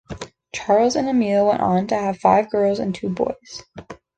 Charles and Emilie went on to have five girls and two boys.